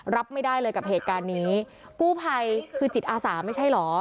รับไม่ได้เลยกับเหตุการณ์นี้กู้ภัยคือจิตอาสาไม่ใช่เหรอ